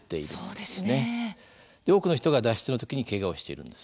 で多くの人が脱出の時にけがをしているんです。